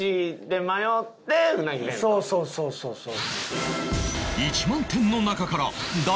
そうそうそうそう。